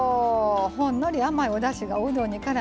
ほんのり甘いおだしがおうどんにからんでね